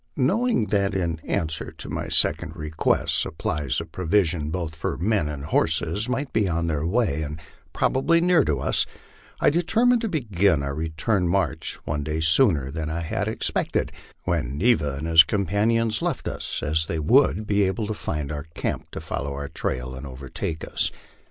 Knowing that in answer to my second request supplies of provisions both for men and horses must be on their way and probably near to us, I determined to begin our return march one day sooner than I had expected when Neva and his com panions left us, as they would be able on finding our camp to follow our trail and overtake us.